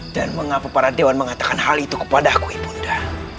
dan mengapa para dewan mengatakan hal itu kepada aku ibu unda